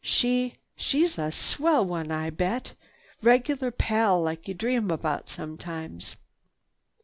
She—she's a swell one I bet! Regular pal like you dream about sometimes."